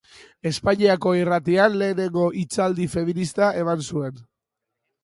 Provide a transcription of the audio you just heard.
Espainiako irratian lehenengo hitzaldi feminista eman zuen.